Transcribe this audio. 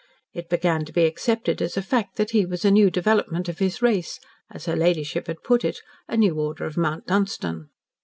It began to be accepted as a fact that he was a new development of his race as her ladyship had put it, "A new order of Mount Dunstan."